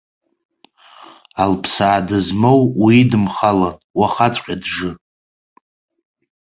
Алԥсаа дызмоу, уидымхалан, уахаҵәҟьа джы!